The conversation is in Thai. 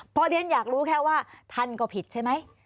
เพราะเรียนอยากรู้แค่ว่าท่านก็ผิดใช่ไหม